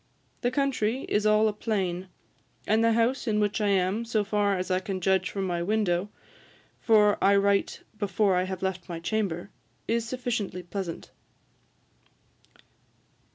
The country is all a plain; and the house in which I am, so far as I can judge from my window, for I write before I have left my chamber, is sufficiently pleasant.